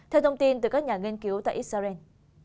theo thông tin từ các nhà nghiên cứu tại israel